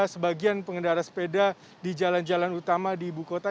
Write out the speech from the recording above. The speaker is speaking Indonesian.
sebagian pengendara sepeda di jalan jalan utama di ibu kota